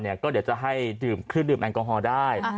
ได้ผู้ชมให้ดื่มขึ้นแอลกอฮอล์ได้